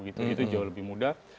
itu jauh lebih mudah